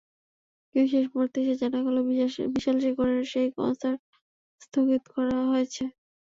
কিন্তু শেষ মুহূর্তে এসে জানা গেল, বিশাল-শেখরের সেই কনসার্ট স্থগিত করা হয়েছে।